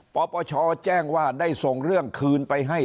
ปปชแจ้งว่าได้ส่งเรื่องคืนไปให้